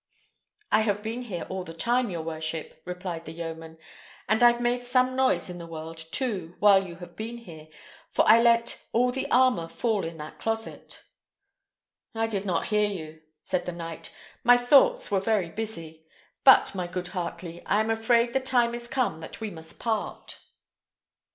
"I have been here all the time, your worship," replied the yeoman. "And I've made some noise in the world, too, while you have been here, for I let all the armour fall in that closet." "I did not hear you," said the knight. "My thoughts were very busy. But, my good Heartley, I am afraid the time is come that we must part."